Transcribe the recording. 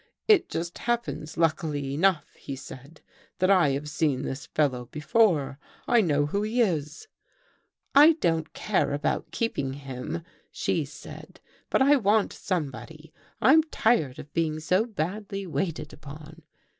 ' It just happens, luckily enough,' he said, ' that I have seen this fellow before. I know who he is.' "' I don't care about keeping him,' she said, ' but I want somebody. I'm tired of being so badly waited upon.